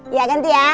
iya ganti ya